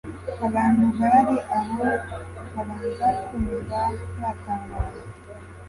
Abantu bari aho babanza kumirwa batangaye,